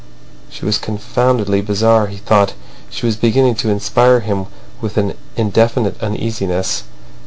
She was confoundedly bizarre, he thought. She was beginning to inspire him with an indefinite uneasiness.